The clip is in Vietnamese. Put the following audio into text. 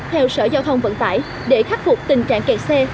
theo sở giao thông vận tải để khắc phục tình trạng kẹt xe